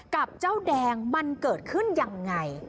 กับเจ้าแดงมันเกิดขึ้นยังไง